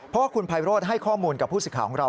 เพราะคุณภัยโปรดให้ข้อมูลกับผู้สิทธิ์ข่าวของเรา